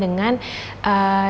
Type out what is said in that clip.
melalui hewan atau tanaman gitu